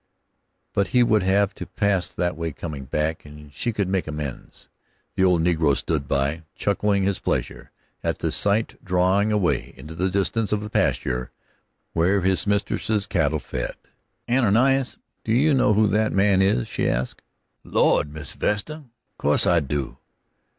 But he would have to pass that way coming back, and she could make amends. The old negro stood by, chuckling his pleasure at the sight drawing away into the distance of the pasture where his mistress' cattle fed. "Ananias, do you know who that man is," she asked. "Laws, Miss Vesta, co'se I do.